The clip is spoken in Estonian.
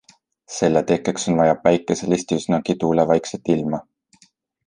Selle tekkeks on vaja päikeselist ja üsnagi tuulevaikset ilma.